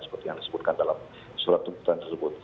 seperti yang disebutkan dalam surat tuntutan tersebut